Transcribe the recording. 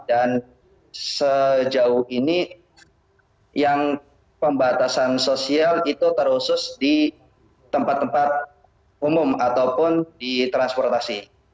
dan sejauh ini yang pembatasan sosial itu terusus di tempat tempat umum ataupun di transportasi